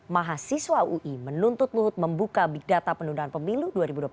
mahasiswa ui menuntut luhut membuka big data penundaan pemilu dua ribu dua puluh empat